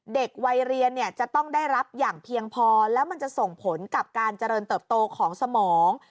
เด็กวัยเรียนเนี่ยจะต้องได้รับอย่างเพียงพอแล้วมันจะส่งผลกับการเจริญเติบโตของสมอง